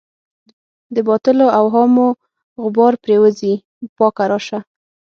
د باطلو اوهامو غبار پرېوځي پاکه راشه.